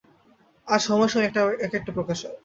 আর সময়ে সময়ে এক একটা প্রকাশ হয়।